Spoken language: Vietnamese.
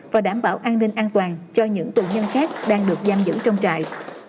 và đảm bảo an ninh an toàn cho những tù nhân khác đang được giam giữ trong trại